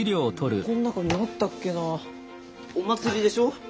この中にあったっけなお祭りでしょ？